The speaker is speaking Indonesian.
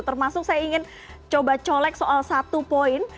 termasuk saya ingin coba colek soal satu poin